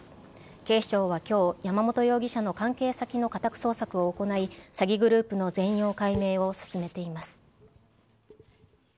警視庁はきょう、山本容疑者の関係先の家宅捜索を行い、詐欺グループの全容解明を進めています。